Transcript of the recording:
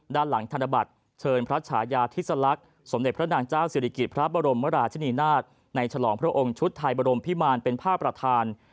ด้านหลังธนบัตรเชิญพระฉายาธิสลักษณ์สมเด็จพระนางเจ้าศิริกิจพระบรมราชินีนาฏในฉลองพระองค์ชุดไทยบรมพิมารเป็นภาพประธาน